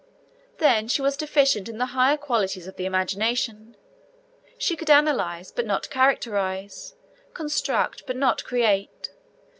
Then she was deficient in the higher qualities of the imagination. She could analyse, but not characterise; construct, but not create.